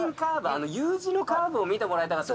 あのＵ字のカ―ブを見てもらいたかった。